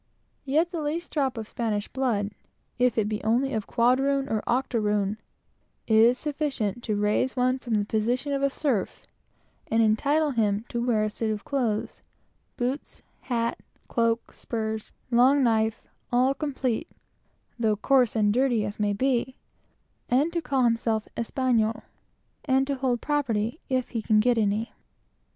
Yet the least drop of Spanish blood, if it be only of quadroon or octoroon, is sufficient to raise them from the rank of slaves, and entitle them to a suit of clothes boots, hat, cloak, spurs, long knife, and all complete, though coarse and dirty as may be, and to call themselves Españolos, and to hold property, if they can get any.